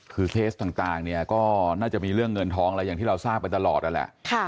คือเคสต่างเนี่ยก็น่าจะมีเรื่องเงินทองอะไรอย่างที่เราทราบไปตลอดนั่นแหละ